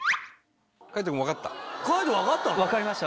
海人君分かった？